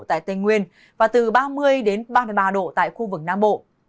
tại tây nguyên và từ ba mươi ba mươi ba độ tại khu vực nam bộ